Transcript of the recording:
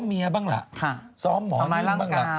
เมียบ้างล่ะซ้อมหมอเลี้ยงบ้างล่ะ